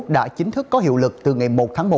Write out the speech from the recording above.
đã chính thức có hiệu lực từ ngày một tháng một